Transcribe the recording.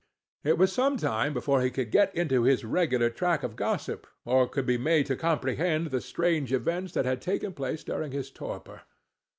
It was some time before he could get into the regular track of gossip, or could be made to comprehend the strange events that had taken place during his torpor.